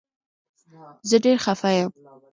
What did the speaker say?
زه ډير خفه يم